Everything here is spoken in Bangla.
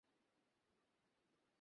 এই ইতিহাসে সেগুলো জরুরি কথা নয়।